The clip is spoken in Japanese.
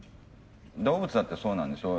動物だってそうなんですよ。